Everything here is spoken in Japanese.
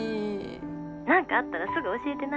何かあったらすぐ教えてな。